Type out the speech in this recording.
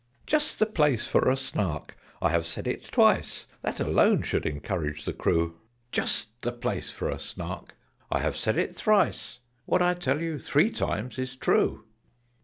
"Just the place for a Snark! I have said it twice: That alone should encourage the crew. Just the place for a Snark! I have said it thrice: What I tell you three times is true."